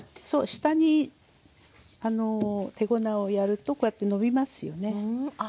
下に手粉をやるとこうやってのびますよね。